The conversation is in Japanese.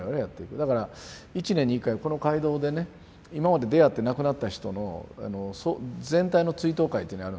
だから一年に一回この会堂でね今まで出会って亡くなった人の全体の追悼会っていうのやるんですよ。